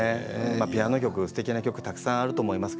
ピアノ曲すてきな曲たくさんあると思います。